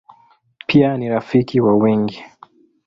Pia ni rafiki wa wengi.